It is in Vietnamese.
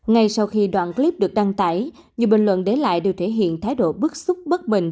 ngay sau khi đoạn clip được đăng tải nhiều bình luận để lại đều thể hiện thái độ bức xúc bất bình